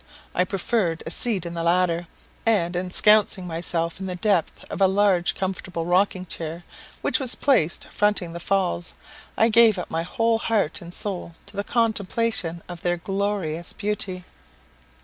I preferred a seat in the latter; and ensconcing myself in the depths of a large comfortable rocking chair, which was placed fronting the Falls, I gave up my whole heart and soul to the contemplation of their glorious beauty.